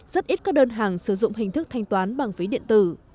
rất ít các đơn hàng sử dụng hình thức thanh toán bằng ví điện tử